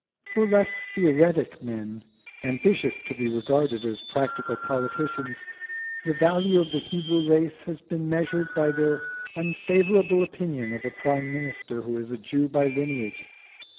For less theoretic men, ambitious to be regarded as practical politicians, the value of the Hebrew race has been measured by their unfavourable opinion of a prime minister who is a Jew by lineage.